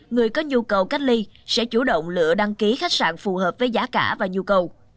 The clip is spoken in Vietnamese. người có nhu cầu cách ly sẽ chủ động lựa đăng ký khách sạn phù hợp với giá cả và nhu cầu